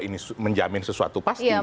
ini menjamin sesuatu pasti